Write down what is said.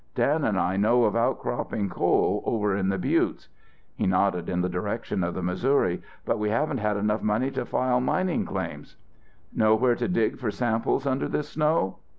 Dan and I know of outcropping coal over in the Buttes." He nodded in the direction of the Missouri, "but we haven't had enough money to file mining claims." "Know where to dig for samples under this snow?"